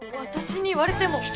私に言われても。